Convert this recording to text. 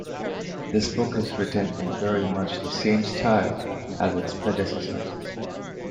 This book is written in very much the same style as its predecessor.